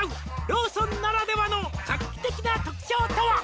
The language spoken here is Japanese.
「ローソンならではの画期的な特徴とは？」